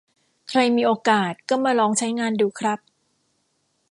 ใครมีโอกาสก็มาลองใช้งานดูครับ